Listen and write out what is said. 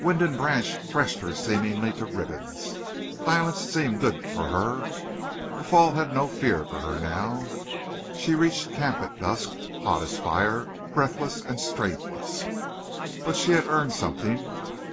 Wind and branch threshed her seemingly to ribbons. Violence seemed good for her. A fall had no fear for her now. She reached camp at dusk, hot as fire, breathless and strengthless. But she had earned something.